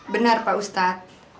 benar pak ustadz